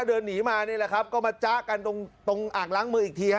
เดินหนีมานี่แหละครับก็มาจ๊ะกันตรงตรงอ่างล้างมืออีกทีฮ